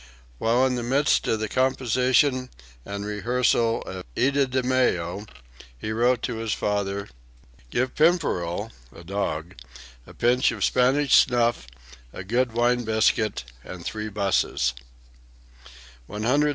While in the midst of the composition and rehearsal of "Idomeneo" he wrote to his father: "Give Pimperl (a dog) a pinch of Spanish snuff, a good wine biscuit and three busses.")